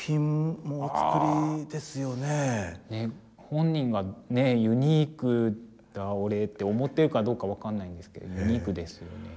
本人が「ユニークだ俺」って思ってるかどうか分かんないんですけどユニークですよね。